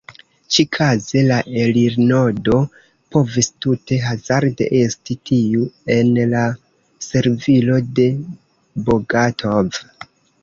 Ĉi-kaze la elirnodo povis tute hazarde esti tiu en la servilo de Bogatov.